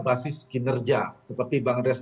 basis kinerja seperti bang res